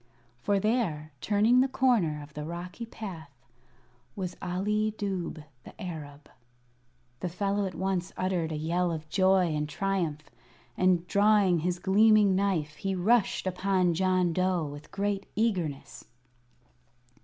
For there, turning the corner of the rocky path, was Ali Dubh the Arab. The fellow at once uttered a yell of joy and triumph, and drawing his gleaming knife he rushed upon John Dough with great eagerness.